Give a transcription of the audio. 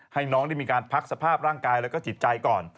ให้น้องได้มีการพักสภาพร่างกายแล้วก็จิตใจก่อน